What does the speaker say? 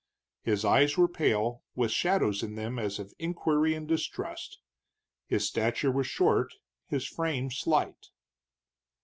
His eyes were pale, with shadows in them as of inquiry and distrust; his stature was short, his frame slight.